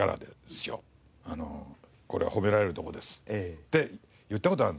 これは褒められるところですって言った事があるんです。